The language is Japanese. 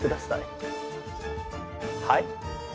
はい？